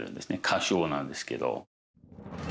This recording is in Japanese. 仮称なんですけど。